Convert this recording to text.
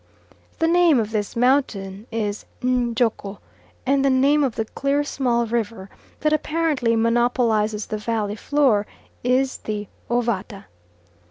The name of this mountain is Njoko, and the name of the clear small river, that apparently monopolises the valley floor, is the Ovata.